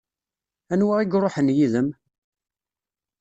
Anwa i iṛuḥen yid-m?